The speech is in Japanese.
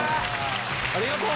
ありがとう！